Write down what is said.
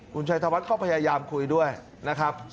คุณชัยธวัฒน์ก็พยายามคุยด้วยนะครับ